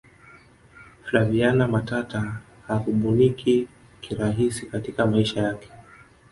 flaviana matata harubuniki kirahisi katika maisha yake